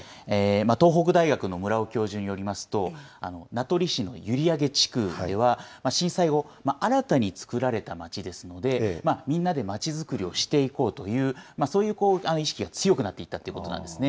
東北大学の村尾教授によりますと、名取市の閖上地区では、震災後、新たにつくられた町ですので、みんなでまちづくりをしていこうという、そういう意識が強くなっていったということなんですね。